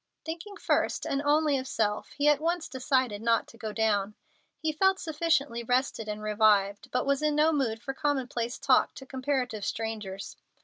Thinking first and only of self, he at once decided not to go down. He felt sufficiently rested and revived, but was in no mood for commonplace talk to comparative strangers.